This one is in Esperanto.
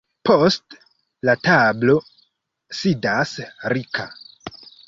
Post la tablo sidas Rika.